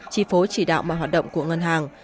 chỉ phối chỉ đạo mà hoạt động của ngân hàng